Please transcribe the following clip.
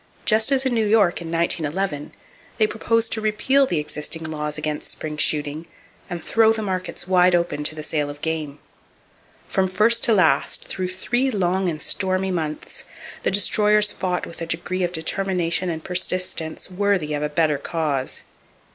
Just as in New York in 1911, they proposed to repeal the existing laws against spring shooting and throw the markets wide open to the sale of game. From first to last, through three long and stormy months, the Destroyers fought with a degree of determination and persistence worthy of a better cause.